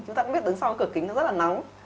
chúng ta cũng biết đứng sau cái cửa kính nó rất là nóng